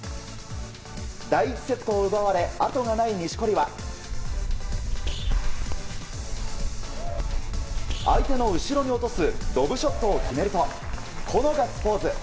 第１セットを奪われあとがない錦織は相手の後ろに落とすロブショットを決めるとこのガッツポーズ。